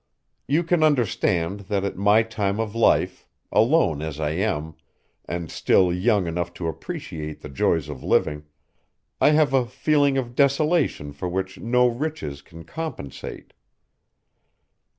You can understand that at my time of life, alone as I am, and still young enough to appreciate the joys of living, I have a feeling of desolation for which no riches can compensate.